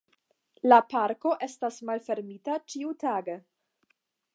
La parko estas malfermita ĉiutage.